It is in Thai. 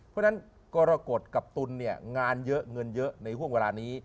เพราะฉะนั้นกรกฎกับตุลเนี่ยงานเยอะเงินเยอะในห่วงเวลานี้